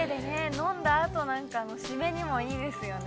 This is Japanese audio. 飲んだ後なんかの締めにもいいですよね。